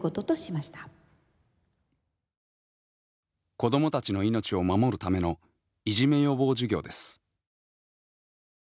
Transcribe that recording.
子どもたちの命を守るためのいじめ予防授業です。